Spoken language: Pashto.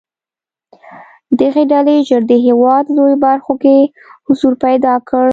دغې ډلې ژر د هېواد لویو برخو کې حضور پیدا کړ.